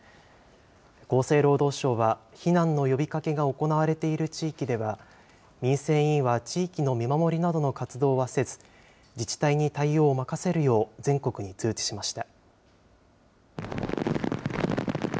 厚生労働省は、避難の呼びかけが行われている地域では、民生委員は地域の見守りなどの活動はせず、自治体に対応を任せるよう全国に通知しました。